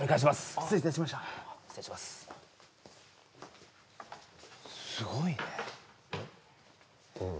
失礼いたしました失礼しますすごいねん？